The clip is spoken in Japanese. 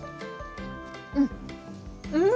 うん！